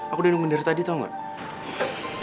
aku udah minum dari tadi tau gak